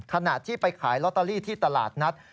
ขณะที่ไปขายลอตเตอรี่ที่ตลาดนัด